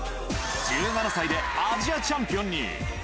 １７歳でアジアチャンピオンに。